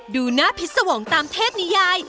ดูหน้าพิษสวงตามเทพนิยาย